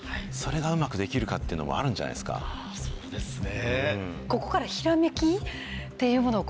そうですね。